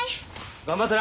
頑張ってな。